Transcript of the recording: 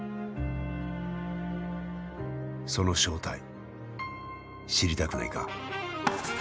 その正体知りたくないか？